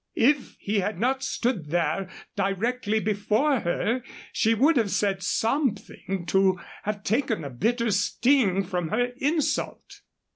If he had not stood there directly before her she would have said something to have taken the bitter sting from her insult.